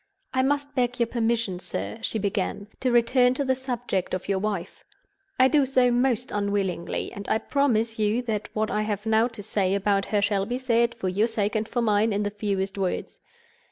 "I must beg your permission, sir," she began, "to return to the subject of your wife. I do so most unwillingly; and I promise you that what I have now to say about her shall be said, for your sake and for mine, in the fewest words.